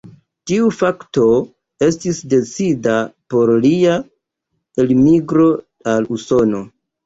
Tiu fakto estis decida por lia elmigro al Usono.